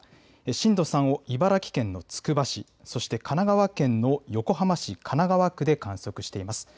震度３を茨城県のつくば市、そして神奈川県の横浜市神奈川区で観測しています。